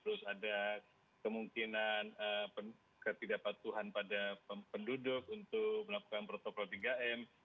terus ada kemungkinan ketidakpatuhan pada penduduk untuk melakukan protokol tiga m